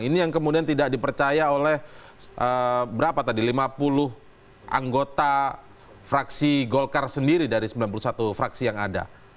ini yang kemudian tidak dipercaya oleh berapa tadi lima puluh anggota fraksi golkar sendiri dari sembilan puluh satu fraksi yang ada